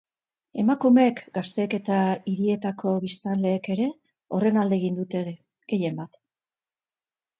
Emakumeek, gazteek eta hirietako biztanleek ere horren alde egin dute, gehienbat.